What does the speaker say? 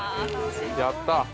やった！